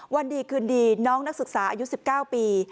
วันดีคืนดีน้องนักศึกษาอายุ๑๙ปี